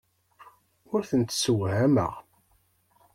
Ur tent-ssewhameɣ.